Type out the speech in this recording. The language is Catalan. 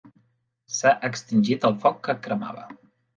S'ha extingit el foc que cremava.